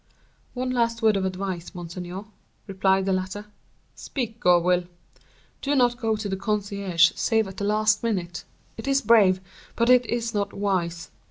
"One last word of advice, monseigneur," replied the latter. "Speak, Gourville." "Do not go to the concierge save at the last minute; it is brave, but it is not wise.